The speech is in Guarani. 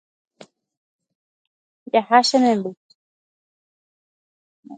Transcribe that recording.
Jaha che memby